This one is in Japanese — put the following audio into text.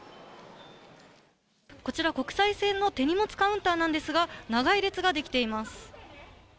こちら、国際線の手荷物カウンターなんですが、長い列が出来ています。